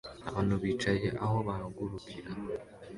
Abantu bicaye aho bahagurukira